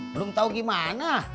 belum tau gimana